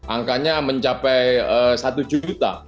angkanya mencapai satu juta